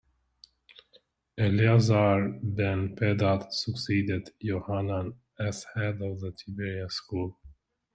Eleazar ben Pedat succeeded Yohanan as head of the Tiberias school.